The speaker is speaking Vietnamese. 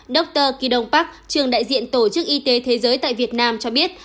dr kido pak trường đại diện tổ chức y tế thế giới tại việt nam cho biết